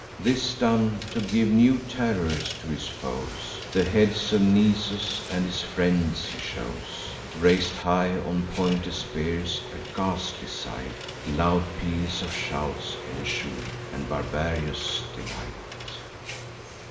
This done—to give new terror to his foes, The heads of Nisus and his friend he shows, Rais'd high on pointed spears—a ghastly sight: Loud peals of shouts ensue, and barbarous delight.